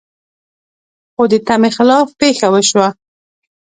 خو د تمې خلاف پېښه وشوه.